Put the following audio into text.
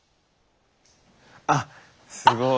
あっすごい。